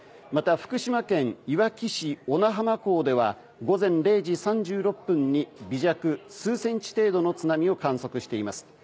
福島県いわき市小名浜港では午前０時３６分に微弱数センチ程度の津波を観測しています。